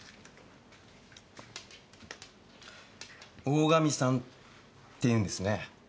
大神さんっていうんですね？